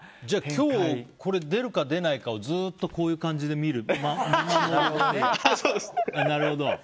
じゃあ、今日は出るか出ないかをずっとこういう感じで見るっていうこと？